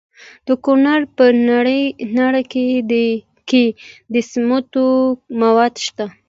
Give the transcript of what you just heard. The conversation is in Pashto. د کونړ په ناړۍ کې د سمنټو مواد شته.